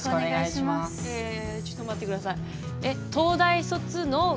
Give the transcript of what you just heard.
えちょっと待って下さい。